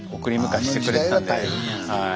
はい。